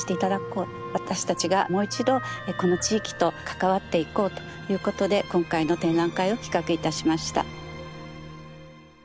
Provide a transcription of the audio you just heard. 私たちがもう一度この地域と関わっていこうということで今回の展覧会を企画いたしました。